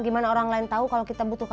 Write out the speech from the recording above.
gimana orang lain tahu kalau kita butuh